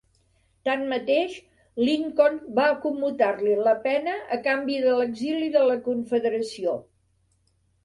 Tanmateix, Lincoln va commutar-li la pena a canvi de l'exili de la Confederació.